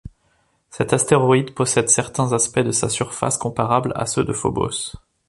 Cet astéroïde possède certains aspects de sa surface comparables à ceux de Phobos.